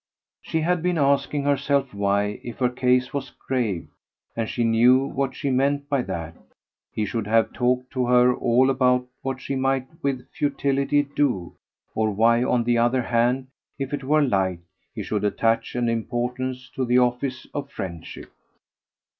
She had been asking herself why, if her case was grave and she knew what she meant by that he should have talked to her at all about what she might with futility "do"; or why on the other hand, if it were light, he should attach an importance to the office of friendship.